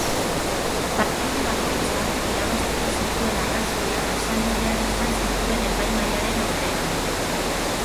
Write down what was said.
Partaide bakoitzak irabazteko zituen arrazoiak azaldu behar izan zituen epaimahaiaren aurrean.